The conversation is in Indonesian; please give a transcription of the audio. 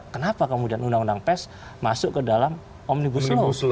kenapa kemudian undang undang pes masuk ke dalam omnibus law